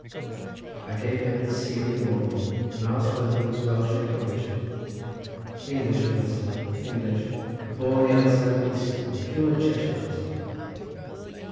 I gave him the seal of the morning, and asked whether he was Welsh or English. "English, Measter, English; born t'other side of Beeston, pure Cheshire, Measter."